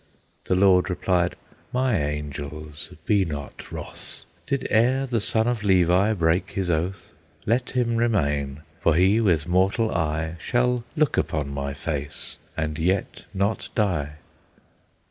The Lord replied, "My Angels, be not wroth; Did e'er the son of Levi break his oath? Let him remain; for he with mortal eye Shall look upon my face and yet not die."